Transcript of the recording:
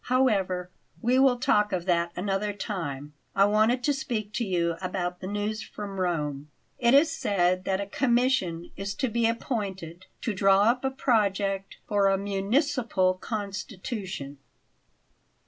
However, we will talk of that another time. I wanted to speak to you about the news from Rome. It is said that a commission is to be appointed to draw up a project for a municipal constitution."